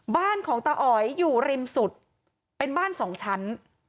บ้านของตาอ๋อยอยู่ริมสุดเป็นบ้านสองชั้น